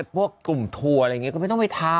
พวกกลุ่มทัวร์อะไรอย่างนี้ก็ไม่ต้องไปทำ